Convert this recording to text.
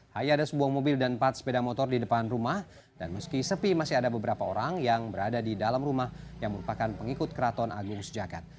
hanya ada sebuah mobil dan empat sepeda motor di depan rumah dan meski sepi masih ada beberapa orang yang berada di dalam rumah yang merupakan pengikut keraton agung sejagat